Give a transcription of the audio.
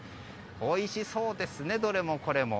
おいしそうですね、どれもこれも。